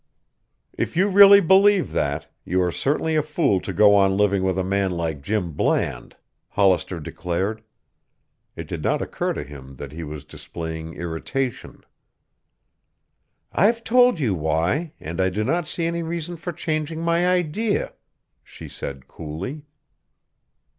"If you really believe that, you are certainly a fool to go on living with a man like Jim Bland," Hollister declared. It did not occur to him that he was displaying irritation. "I've told you why and I do not see any reason for changing my idea," she said coolly.